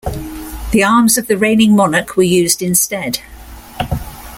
The arms of the reigning monarch were used instead.